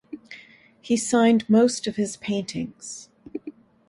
He signed most of his paintings.